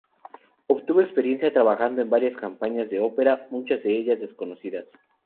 Obtuvo experiencia trabajando en varias compañías de ópera, muchas de ellas desconocidas.